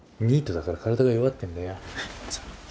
ニートだから体が弱ってんだよはっ。